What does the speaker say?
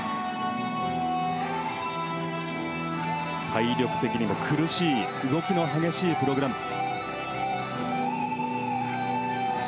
体力的にも苦しい動きの激しいプログラム。